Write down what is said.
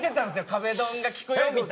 壁ドンが効くよみたいな。